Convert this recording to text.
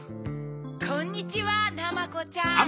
こんにちはナマコちゃん。